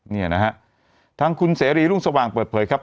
เนี่ยนะฮะทางคุณเสรีรุ่งสว่างเปิดเผยครับ